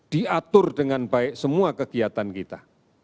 diatur dengan baik semua kegiatan kita